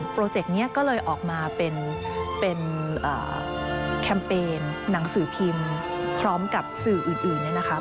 โปรเจ็คเนี้ยก็เลยออกมาเป็นเป็นอ่าแคมเปญหนังสือพิมพ์พร้อมกับสื่ออื่นอื่นนะคะ